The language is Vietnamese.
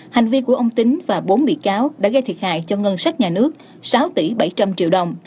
hành vi của ông tính và bốn bị cáo đã gây thiệt hại cho ngân sách nhà nước sáu tỷ bảy trăm linh triệu đồng